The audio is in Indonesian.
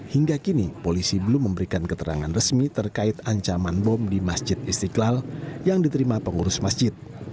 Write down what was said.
hingga kini polisi belum memberikan keterangan resmi terkait ancaman bom di masjid istiqlal yang diterima pengurus masjid